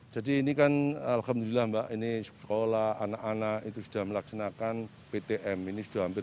jadi ini kan alhamdulillah mbak ini sekolah anak anak itu sudah melaksanakan ptm ini sudah hampir